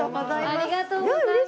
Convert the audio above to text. ありがとうございます。